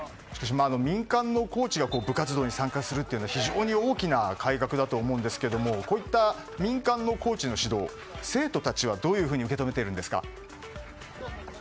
民間のコーチが部活動に参加するというのは非常に大きな改革だと思うんですがこういった民間のコーチの指導を生徒たちは、どういうふうに受け止めているんですか？